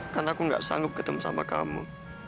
kan aku nggak sanggup ketemu sama kamu